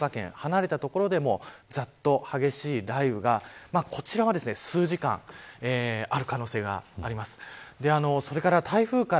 昼ごろまでは神奈川県それから静岡県離れた所でもざっと激しい雷雨がこちらは数時間ある可能性があります。